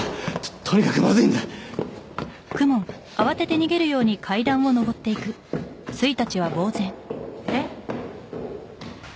とにかくまずいんだえっ？